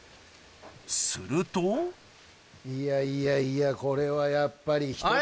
するといやいやいやこれはやっぱり。